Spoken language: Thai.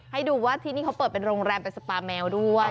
ให้ดูว่าที่นี่เขาเปิดเป็นโรงแรมเป็นสปาแมวด้วย